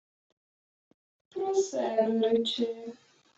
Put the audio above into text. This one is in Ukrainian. — Про себе речи.